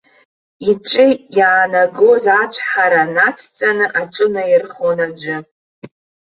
Иҿы иаанагоз ацәҳара нацҵаны аҿынаирхон аӡәы.